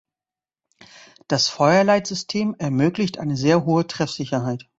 Das Feuerleitsystem ermöglicht eine sehr hohe Treffsicherheit.